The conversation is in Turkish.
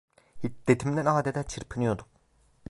Hiddetimden adeta çırpınıyordum.